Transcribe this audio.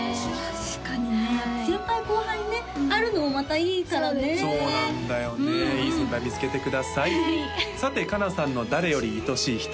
確かにね先輩後輩ねあるのもまたいいからねそうなんだよねいい先輩見つけてくださいさてＫＡＮＡさんの「誰より愛しいひと」